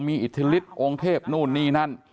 มีอิทธิฤทธิองค์เทพนู่นนี่นั่น